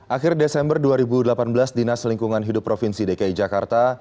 akhir desember dua ribu delapan belas dinas lingkungan hidup provinsi dki jakarta